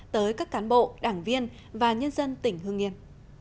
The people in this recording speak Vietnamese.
tới các cán bộ đảng viên và nhân dân tỉnh hương yên